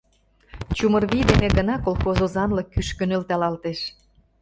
Чумыр вий дене гына колхоз озанлык кӱшкӧ нӧлталалтеш.